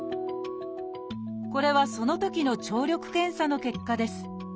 これはそのときの聴力検査の結果です。